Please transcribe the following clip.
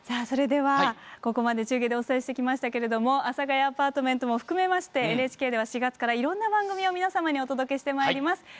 それでは、ここまで中継でお伝えしてきましたけれど「阿佐ヶ谷アパートメント」も含めてＮＨＫでは４月からいろんな番組を皆様にお届けしてまいります。